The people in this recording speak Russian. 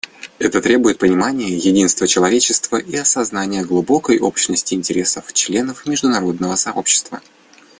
Это требует понимания единства человечества и осознания глубокой общности интересов членов международного сообщества.